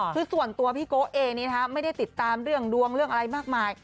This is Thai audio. คือส่วนตัวพี่โกะเองนี้ไม่ได้ติดตามเรื่องดวงเรื่องอะไรมากมาย